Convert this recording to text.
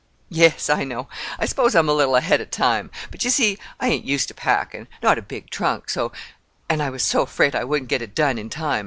"Yes, I know. I suppose I am a little ahead of time. But you see, I ain't used to packing—not a big trunk, so—and I was so afraid I wouldn't get it done in time.